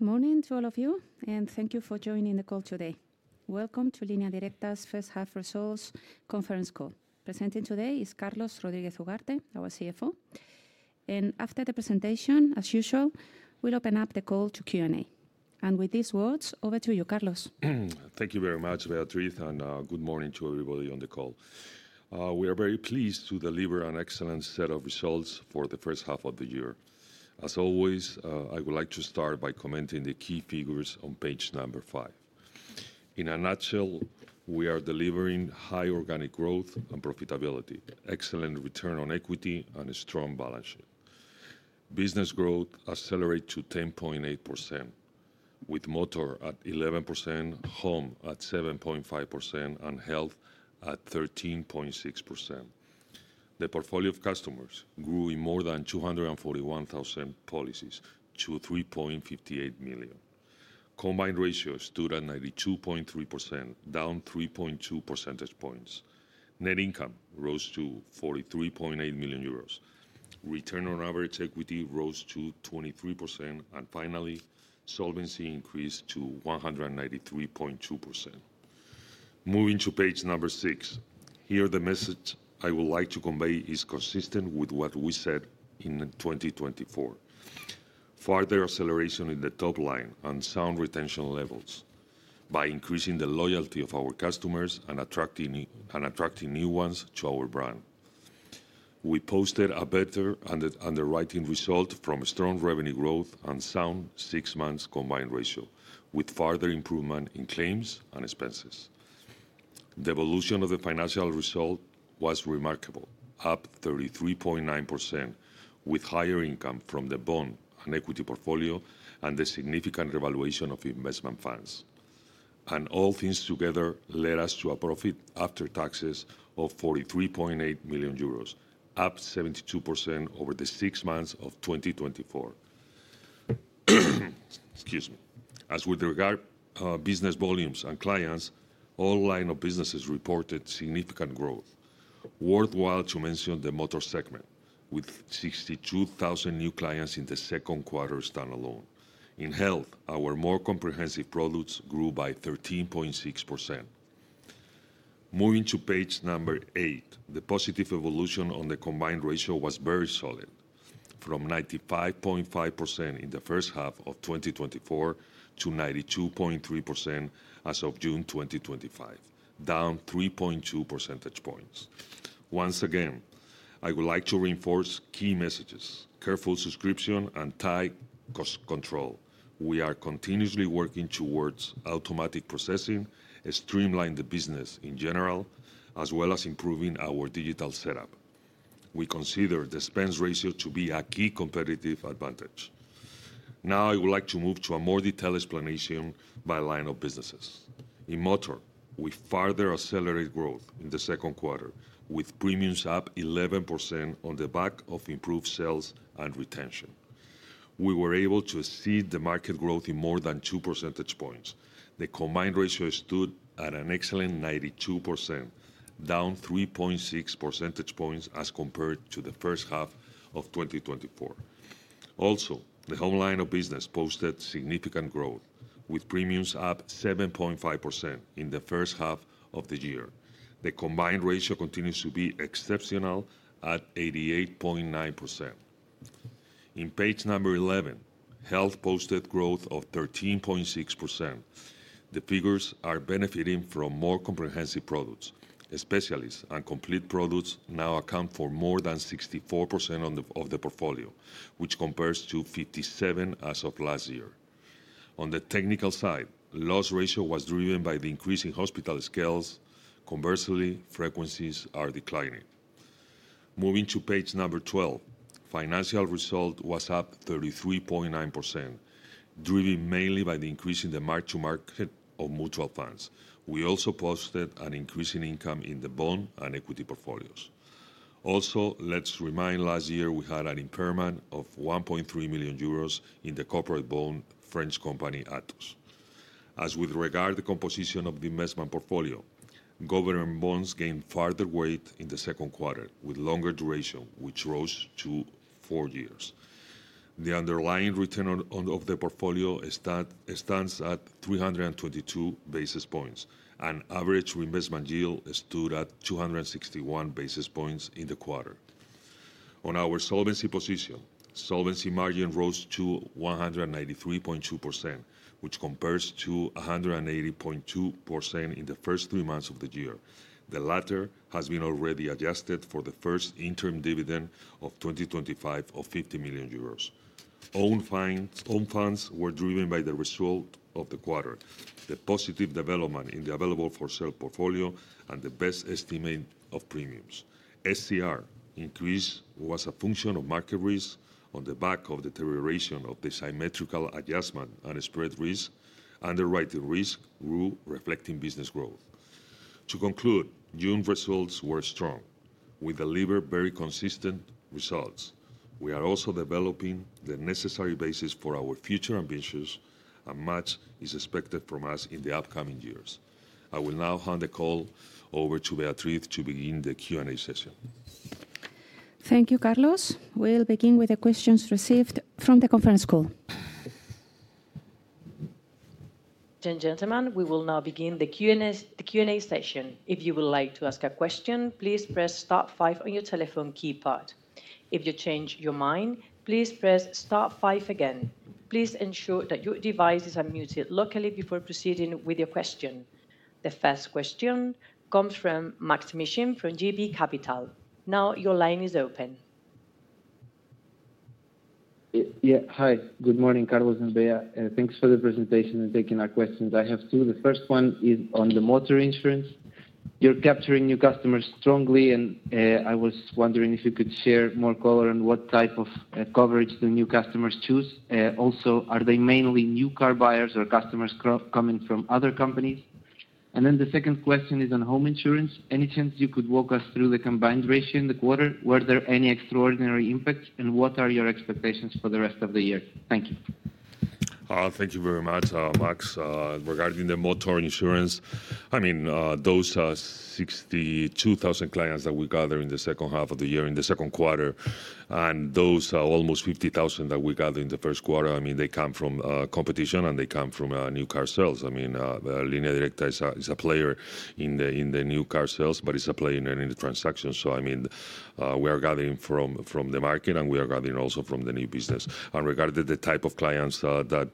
Good morning to all of you, and thank you for joining the call today. Welcome to Línea Directa's first half results conference call. Presenting today is Carlos Rodríguez Duarte, our CFO. After the presentation, as usual, we'll open up the call to Q&A. With these words, over to you, Carlos. Thank you very much, Beatriz, and good morning to everybody on the call. We are very pleased to deliver an excellent set of results for the first half of the year. As always, I would like to start by commenting the key figures on page number five. In a nutshell, we are delivering high organic growth and profitability, excellent return on equity, and a strong balance sheet. Business growth accelerated to 10.8%, with motor at 11%, home at 7.5%, and health at 13.6%. The portfolio of customers grew in more than 241,000 policies to 3.58 million. Combined ratio stood at 92.3%, down 3.2 percentage points. Net income rose to 43.8 million euros. Return on average equity rose to 23%, and finally, solvency increased to 193.2%. Moving to page number six, here the message I would like to convey is consistent with what we said in 2024. Further acceleration in the top line and sound retention levels by increasing the loyalty of our customers and attracting new ones to our brand. We posted a better underwriting result from strong revenue growth and sound six months combined ratio, with further improvement in claims and expenses. The evolution of the financial result was remarkable, up 33.9%, with higher income from the bond and equity portfolio and the significant revaluation of investment funds. All things together led us to a profit after taxes of 43.8 million euros, up 72% over the six months of 2024. As with regard to business volumes and clients, all line of businesses reported significant growth. Worthwhile to mention the motor segment, with 62,000 new clients in the second quarter standalone. In health, our more comprehensive products grew by 13.6%. Moving to page number eight, the positive evolution on the combined ratio was very solid, from 95.5% in the first half of 2024 to 92.3% as of June 2025, down 3.2 percentage points. Once again, I would like to reinforce key messages: careful subscription and tight cost control. We are continuously working towards automatic processing, streamlined the business in general, as well as improving our digital setup. We consider the expense ratio to be a key competitive advantage. Now, I would like to move to a more detailed explanation by line of businesses. In motor, we further accelerated growth in the second quarter, with premiums up 11% on the back of improved sales and retention. We were able to exceed the market growth in more than two percentage points. The combined ratio stood at an excellent 92%, down 3.6 percentage points as compared to the first half of 2024. Also, the home line of business posted significant growth, with premiums up 7.5% in the first half of the year. The combined ratio continues to be exceptional at 88.9%. On page number 11, health posted growth of 13.6%. The figures are benefiting from more comprehensive products. Specialists and complete products now account for more than 64% of the portfolio, which compares to 57% as of last year. On the technical side, loss ratio was driven by the increase in hospital scales. Conversely, frequencies are declining. Moving to page number 12, financial result was up 33.9%, driven mainly by the increase in the mark-to-market of mutual funds. We also posted an increase in income in the bond and equity portfolio. Also, let's remind last year we had an impairment of 1.3 million euros in the corporate bond French company Atos. As with regard to the composition of the investment portfolio, government bonds gained further weight in the second quarter, with longer duration, which rose to four years. The underlying return on the portfolio stands at 322 basis points. An average reinvestment yield stood at 261 basis points in the quarter. On our solvency position, solvency margin rose to 193.2%, which compares to 180.2% in the first three months of the year. The latter has been already adjusted for the first interim dividend of 2025 of 50 million euros. Own funds were driven by the result of the quarter, the positive development in the available for sale portfolio, and the best estimate of premiums. SCR increase was a function of market risk on the back of deterioration of the symmetrical adjustment and spread risk. Underwriting risk grew, reflecting business growth. To conclude, June results were strong, we delivered very consistent results. We are also developing the necessary basis for our future ambitions, and much is expected from us in the upcoming years. I will now hand the call over to Beatriz to begin the Q&A session. Thank you, Carlos. We'll begin with the questions received from the conference call. Ladies and gentlemen, we will now begin the Q&A session. If you would like to ask a question, please press *5 on your telephone keypad. If you change your mind, please press star five again. Please ensure that your device is unmuted locally before proceeding with your question. The first question comes from Maksym Mishyn from JB Capital. Now your line is open. Yeah, hi. Good morning, Carlos and Bea. Thanks for the presentation and taking our questions. I have two. The first one is on the motor insurance. You're capturing new customers strongly, and I was wondering if you could share more color on what type of coverage the new customers choose. Also, are they mainly new car buyers or customers coming from other companies? The second question is on home insurance. Any chance you could walk us through the combined ratio in the quarter? Were there any extraordinary impacts, and what are your expectations for the rest of the year? Thank you. Thank you very much, Max. Regarding the motor insurance, those 62,000 clients that we gathered in the second half of the year, in the second quarter, and those almost 50,000 that we gathered in the first quarter, they come from competition and they come from new car sales. Línea Directa is a player in the new car sales, but it's a player in the transaction. We are gathering from the market and we are gathering also from the new business. Regarding the type of clients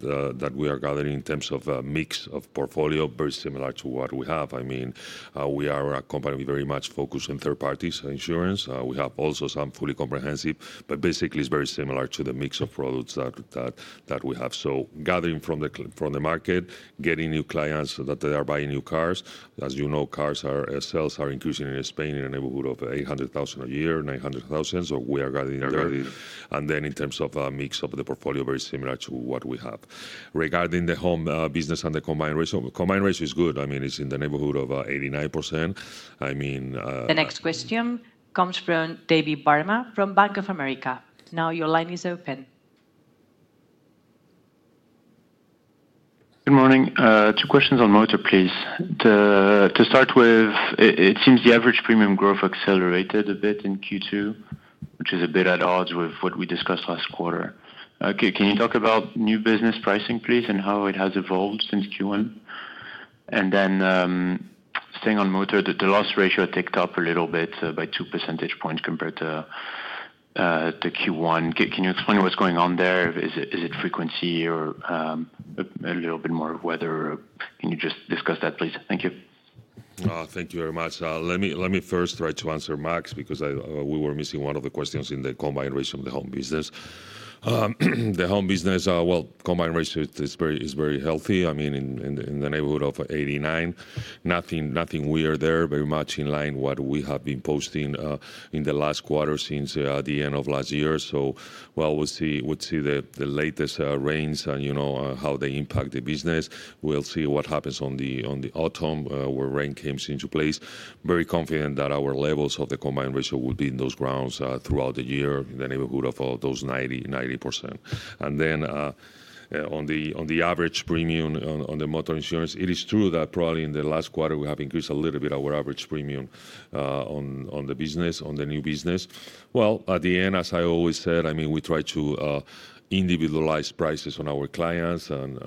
that we are gathering in terms of a mix of portfolio, very similar to what we have. We are a company very much focused on third-party insurance. We have also some fully comprehensive, but basically it's very similar to the mix of products that we have. Gathering from the market, getting new clients that they are buying new cars. As you know, car sales are increasing in Spain in the neighborhood of 800,000 a year, 900,000. We are gathering there. In terms of a mix of the portfolio, very similar to what we have. Regarding the home business and the combined ratio, the combined ratio is good. It's in the neighborhood of 89%. The next question comes from David Barma from Bank of America. Now your line is open. Good morning. Two questions on motor, please. To start with, it seems the average premium growth accelerated a bit in Q2, which is a bit at odds with what we discussed last quarter. Can you talk about new business pricing, please, and how it has evolved since Q1? Staying on motor, the loss ratio ticked up a little bit by 2% compared to Q1. Can you explain what's going on there? Is it frequency or a little bit more of weather? Can you just discuss that, please? Thank you. Thank you very much. Let me first try to answer Max because we were missing one of the questions in the combined ratio of the home business. The home business, the combined ratio is very healthy, in the neighborhood of 89%, nothing weird there, very much in line with what we have been posting in the last quarter since the end of last year. We'll see the latest rains and how they impact the business. We'll see what happens in the autumn where rain came into place. Very confident that our levels of the combined ratio will be in those grounds throughout the year in the neighborhood of those 90%. On the average premium on the motor insurance, it is true that probably in the last quarter we have increased a little bit our average premium on the business, on the new business. At the end, as I always said, we try to individualize prices on our clients and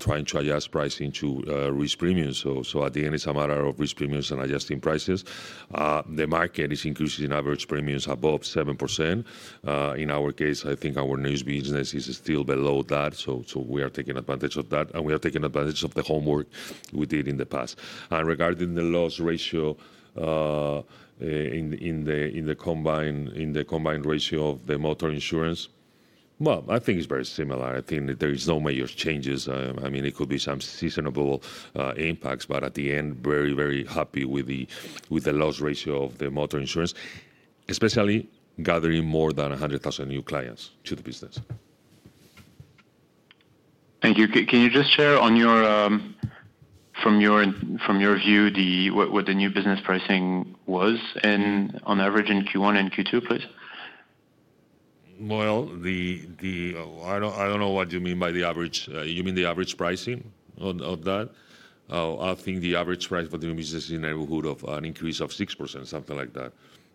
try to adjust pricing to risk premiums. At the end, it's a matter of risk premiums and adjusting prices. The market is increasing average premiums above 7%. In our case, I think our new business is still below that. We are taking advantage of that and we are taking advantage of the homework we did in the past. Regarding the loss ratio in the combined ratio of the motor insurance, I think it's very similar. I think there are no major changes. It could be some seasonable impacts, but at the end, very, very happy with the loss ratio of the motor insurance, especially gathering more than 100,000 new clients to the business. Thank you. Can you just share from your view what the new business pricing was on average in Q1 and Q2, please? I don't know what you mean by the average. You mean the average pricing of that? I think the average price for the new business is in the neighborhood of an increase of 6%, something like that.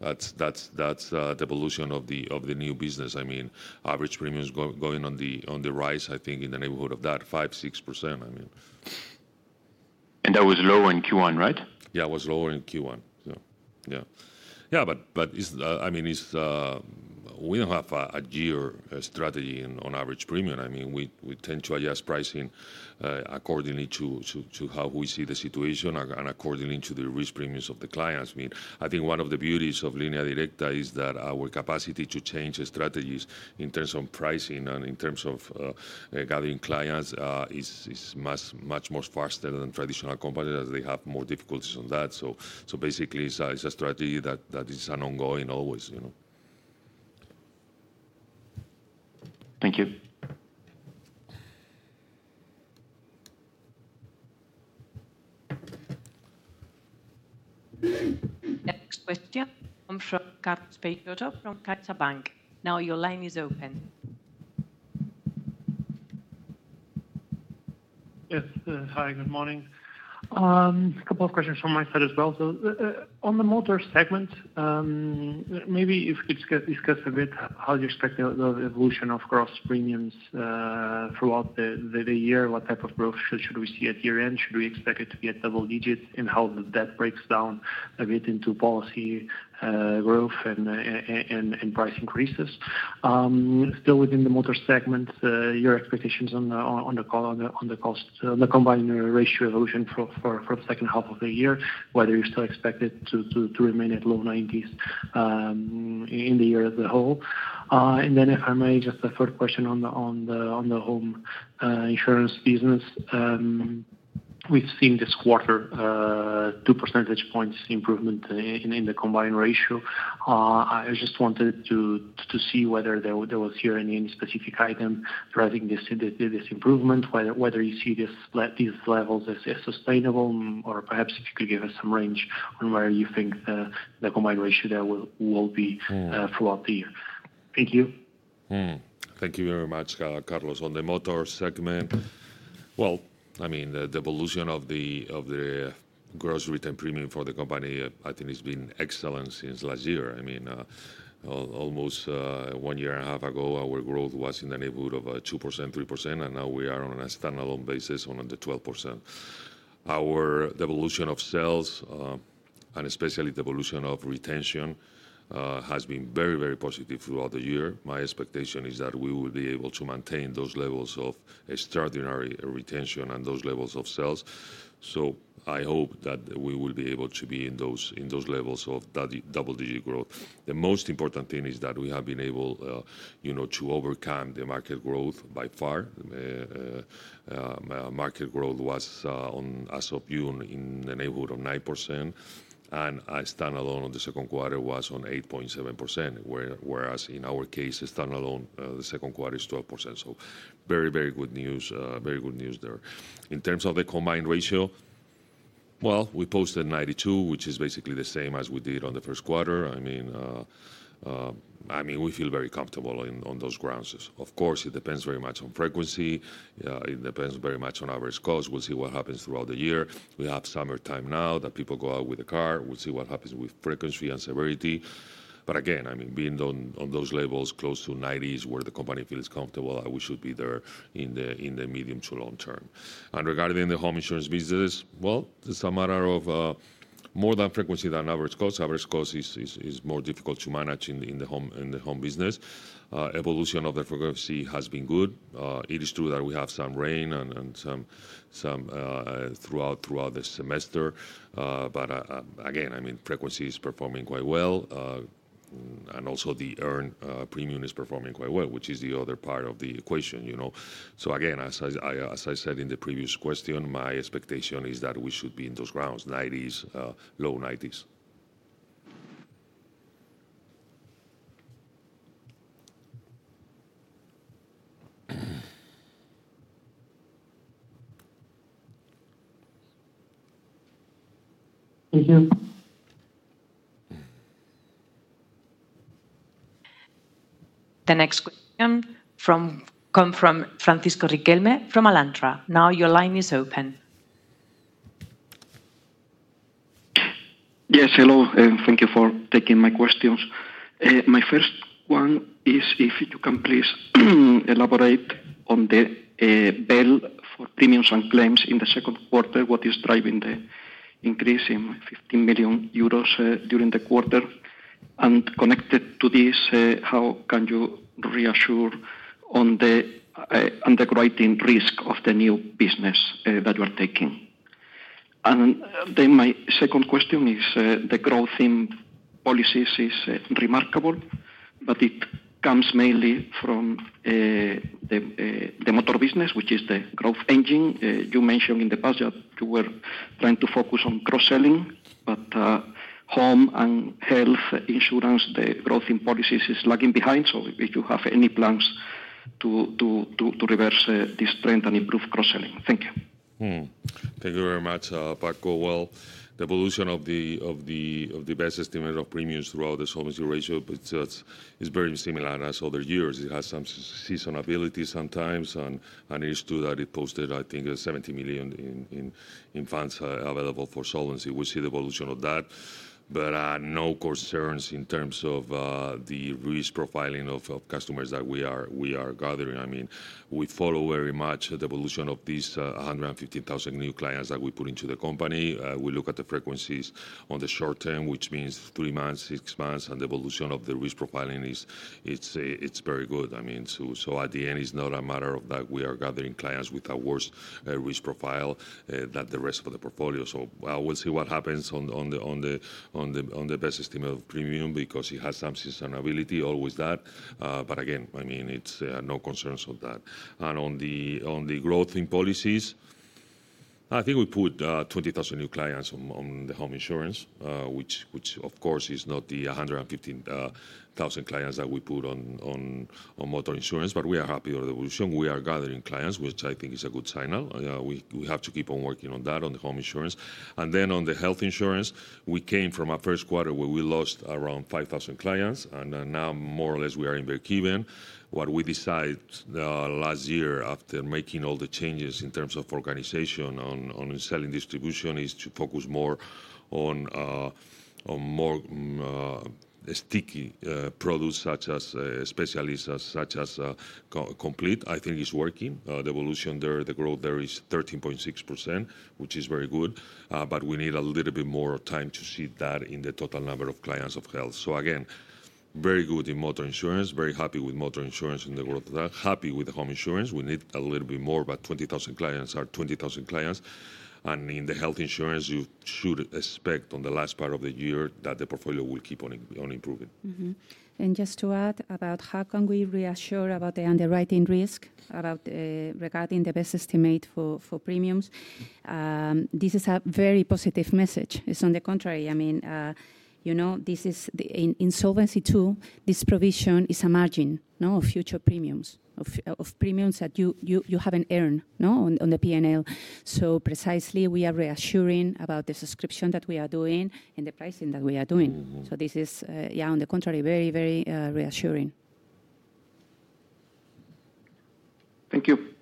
That's the evolution of the new business. I mean, average premiums going on the rise, I think, in the neighborhood of that, 5-6%, I mean. That was lower in Q1, right? Yeah, it was lower in Q1. Yeah. I mean, we don't have a gear strategy on average premium. We tend to adjust pricing accordingly to how we see the situation and accordingly to the risk premiums of the clients. I think one of the beauties of Línea Directa Aseguradora is that our capacity to change strategies in terms of pricing and in terms of gathering clients is much faster than traditional companies, as they have more difficulties with that. Basically, it's a strategy that is ongoing always, you know. Thank you. The next question comes from Carlos Peixoto from CaixaBank. Now your line is open. Yes. Hi, good morning. A couple of questions from my side as well. On the motor segment, maybe if we could discuss a bit how you expect the evolution of gross premiums throughout the year, what type of growth should we see at year end? Should we expect it to be at double digits and how that breaks down a bit into policy growth and price increases? Still within the motor segment, your expectations on the cost, on the combined ratio evolution for the second half of the year, whether you still expect it to remain at low 90s in the year as a whole. If I may, just a third question on the home insurance business. We've seen this quarter 2% improvement in the combined ratio. I just wanted to see whether there was here any specific item driving this improvement, whether you see these levels as sustainable or perhaps if you could give us some range on where you think the combined ratio there will be throughout the year. Thank you. Thank you very much, Carlos. On the motor segment, the evolution of the gross return premium for the company, I think, has been excellent since last year. Almost one year and a half ago, our growth was in the neighborhood of 2%, 3%, and now we are on a standalone basis on the 12%. Our evolution of sales and especially the evolution of retention has been very, very positive throughout the year. My expectation is that we will be able to maintain those levels of extraordinary retention and those levels of sales. I hope that we will be able to be in those levels of double-digit growth. The most important thing is that we have been able to overcome the market growth by far. Market growth was, as of June, in the neighborhood of 9%, and standalone on the second quarter was on 8.7%, whereas in our case, standalone, the second quarter is 12%. Very, very good news, very good news there. In terms of the combined ratio, we posted 92, which is basically the same as we did on the first quarter. We feel very comfortable on those grounds. Of course, it depends very much on frequency. It depends very much on average cost. We'll see what happens throughout the year. We have summertime now that people go out with a car. We'll see what happens with frequency and severity. Again, being on those levels close to 90s where the company feels comfortable, we should be there in the medium to long term. Regarding the home insurance business, it's a matter of more than frequency than average cost. Average cost is more difficult to manage in the home business. Evolution of the frequency has been good. It is true that we have some rain and some throughout the semester. Again, frequency is performing quite well. Also the earned premium is performing quite well, which is the other part of the equation. You know, as I said in the previous question, my expectation is that we should be in those grounds, low 90s. Thank you. The next question comes from Francisco Riquel from Alantra Equities Sociedad de Valores. Now your line is open. Yes, hello, and thank you for taking my questions. My first one is if you can please elaborate on the bell for premiums and claims in the second quarter, what is driving the increase in €15 million during the quarter? Connected to this, how can you reassure on the underwriting risk of the new business that you are taking? My second question is the growth in policies is remarkable, but it comes mainly from the motor business, which is the growth engine. You mentioned in the past that you were trying to focus on cross-selling, but home and health insurance, the growth in policies is lagging behind. If you have any plans to reverse this trend and improve cross-selling, thank you. Thank you very much, Paco. The evolution of the best estimate of premiums throughout the solvency ratio is very similar as other years. It has some seasonality sometimes, and it is true that it posted, I think, 70 million in funds available for solvency. We see the evolution of that. No concerns in terms of the risk profiling of customers that we are gathering. I mean, we follow very much the evolution of these 150,000 new clients that we put into the company. We look at the frequencies on the short term, which means three months, six months, and the evolution of the risk profiling is very good. At the end, it's not a matter of that we are gathering clients with a worse risk profile than the rest of the portfolio. We'll see what happens on the best estimate of premium because it has some seasonality, always that. Again, it's no concerns of that. On the growth in policies, I think we put 20,000 new clients on the home insurance, which of course is not the 115,000 clients that we put on motor insurance, but we are happy with the evolution. We are gathering clients, which I think is a good signal. We have to keep on working on that, on the home insurance. On the health insurance, we came from our first quarter where we lost around 5,000 clients, and now more or less we are in break-even. What we decided last year after making all the changes in terms of organization on selling distribution is to focus more on more sticky products such as specialists, such as complete. I think it's working. The evolution there, the growth there is 13.6%, which is very good. We need a little bit more time to see that in the total number of clients of health. Again, very good in motor insurance, very happy with motor insurance and the growth of that. Happy with the home insurance. We need a little bit more, but 20,000 clients are 20,000 clients. In the health insurance, you should expect on the last part of the year that the portfolio will keep on improving. To add about how we can reassure about the underwriting risk regarding the best estimate for premiums, this is a very positive message. It's on the contrary. I mean, you know, this is in Solvency II, this provision is a margin of future premiums, of premiums that you haven't earned on the P&L. Precisely, we are reassuring about the subscription that we are doing and the pricing that we are doing. This is, on the contrary, very, very reassuring. Thank you.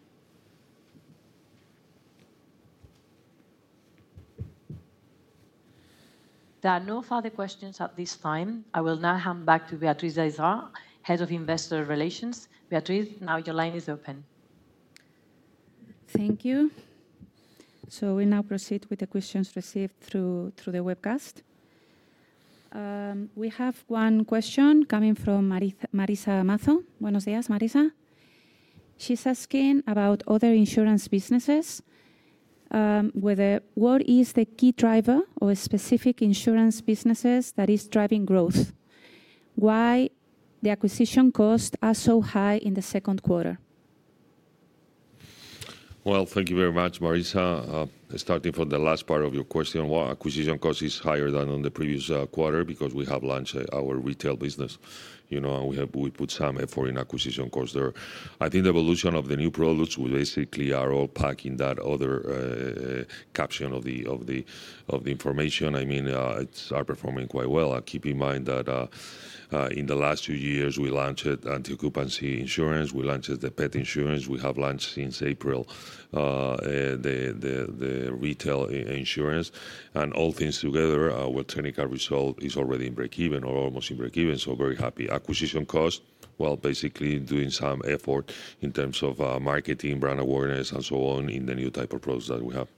There are no further questions at this time. I will now hand back to Beatriz Izard, Head of Investor Relations. Beatriz, now your line is open. Thank you. We will now proceed with the questions received through the webcast. We have one question coming from Marisa Amato. Buenos días, Marisa. She's asking about other insurance businesses, whether what is the key driver or specific insurance businesses that is driving growth. Why the acquisition costs are so high in the second quarter? Thank you very much, Marisa. Starting from the last part of your question, why acquisition cost is higher than in the previous quarter is because we have launched our retail insurance business. You know, we put some effort in acquisition cost there. I think the evolution of the new products, we basically are all packing that other caption of the information. I mean, it's performing quite well. Keep in mind that in the last two years, we launched anti-occupancy insurance, we launched the pet insurance, we have launched since April the retail insurance, and all things together, our technical result is already in break-even or almost in break-even, so very happy. Acquisition cost, basically doing some effort in terms of marketing, brand awareness, and so on in the new type of products that we have.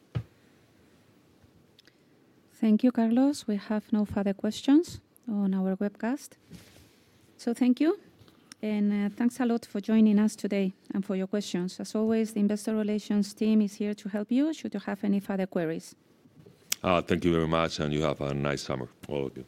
Thank you, Carlos. We have no further questions on our webcast. Thank you, and thanks a lot for joining us today and for your questions. As always, the Investor Relations team is here to help you should you have any further queries. Thank you very much, and you have a nice summer, all of you.